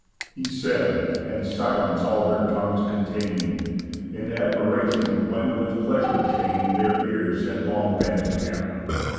He said; and silence all their tongues contain'd, In admiration, when with pleasure chain'd Their ears had long been to him.